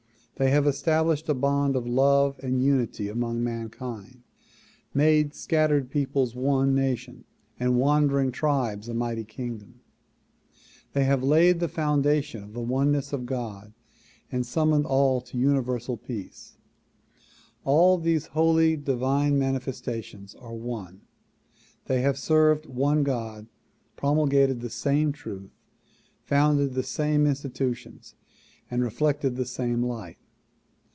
They have established a bond of love and unity among mankind, made scattered peoples one nation and wandering tribes a mighty kingdom. They have laid the foundation of the oneness of God and summoned all to Universal Peace. All these holj^ divine manifestations are one. They have served one God, pro mulgated the same truth, founded the same institutions and reflected the same light.